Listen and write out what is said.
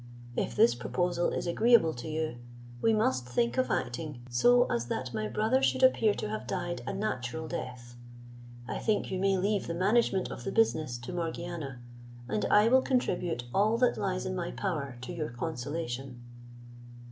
If this proposal is agreeable to you, we mast think of acting so as that my brother should appear to have died a natural death. I think you may leave the management of the business to Morgiana, and I will contribute all that lies in my power to your consolation."